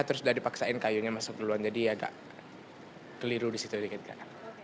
terus udah dipaksain kayunya masuk duluan jadi agak keliru disitu dikit kak